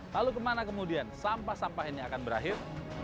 lalu kemana kemudian sampah sampah ini akan berakhir